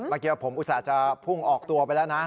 เมื่อกี้ผมอุตส่าห์จะพุ่งออกตัวไปแล้วนะ